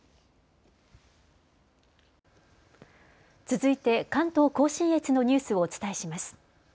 続いて関東甲信越のニュースをお伝えします。